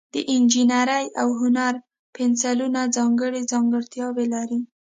د انجینرۍ او هنر پنسلونه ځانګړي ځانګړتیاوې لري.